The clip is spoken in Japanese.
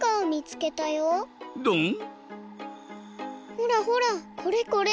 ほらほらこれこれ。